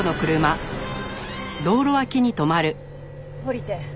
降りて。